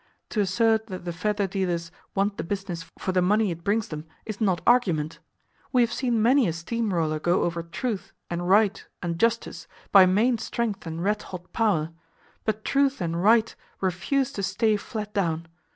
To assert that the feather dealers want the business for the money it brings them is not argument! We have seen many a steam roller go over Truth, and Right, and Justice, by main strength and red hot power; but Truth and Right refuse to stay flat down.